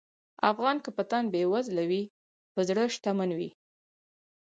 افغان که په تن بېوزله وي، په زړه شتمن وي.